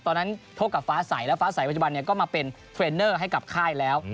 ตอนนั้นทบกับฟ้าสัยแล้วฟ้าสัยปัจจุบันก็มาเป็นเทรนเนอร์ให้กับค่ายแล้ว